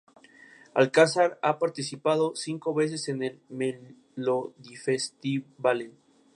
Alcazar ha participado cinco veces en el Melodifestivalen.